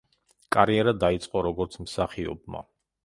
კარიერა დაიწყო როგორც მსახიობმა.